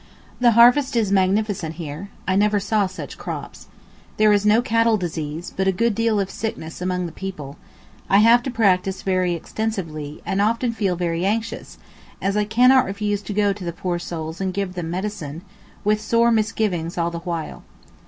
The harvest is magnificent here; I never saw such crops. There is no cattle disease, but a good deal of sickness among the people; I have to practise very extensively, and often feel very anxious, as I cannot refuse to go to the poor souls and give them medicine, with sore misgivings all the while.